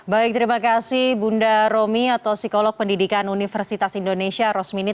baik terima kasih bunda romi atau psikolog pendidikan universitas indonesia rosminit